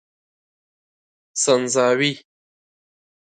سنځاوي